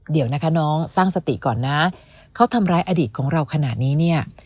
เดี๋ยวนะคะน้องตั้งสติก่อนนะเขาทำร้ายอดีตของเราขนาดนี้เนี่ย